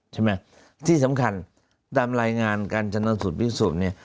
ใช่ไหมที่สำคัญตามรายงานการชนสุดพิกษุนเนี่ย